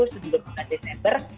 sebelum bulan desember